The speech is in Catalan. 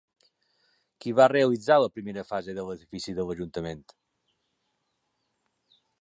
Qui va realitzar la primera fase de l'edifici de l'Ajuntament?